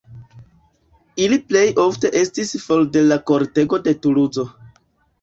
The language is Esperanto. Ili plej ofte estis for de la kortego de Tuluzo.